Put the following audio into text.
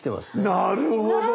なるほど！